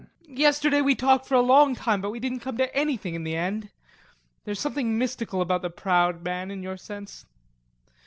Yesterday we talked for a long time but we didn't come to anything in the end. There's something mystical about the proud man, in your sense.